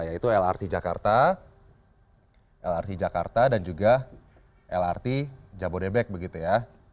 yaitu lrt jakarta lrt jakarta dan juga lrt jabodebek begitu ya